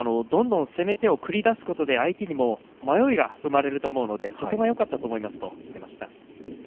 どんどん攻め手を繰り出すことで相手にも迷いが生まれると思うのでそこがよかったと思いますと言っていました。